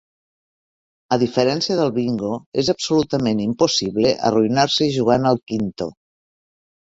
A diferència del bingo, és absolutament impossible arruïnar-se jugant al quinto.